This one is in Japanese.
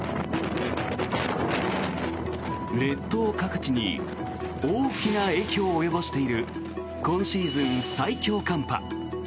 列島各地に大きな影響をもたらしている今シーズン最強寒波。